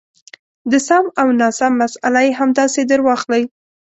د سم او ناسم مساله یې همداسې درواخلئ.